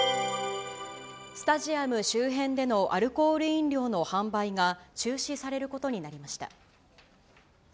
スタジアム周辺でのアルコール飲料の販売が、中止されることになりました。